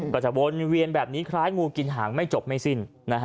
ก็จะวนเวียนแบบนี้คล้ายงูกินหางไม่จบไม่สิ้น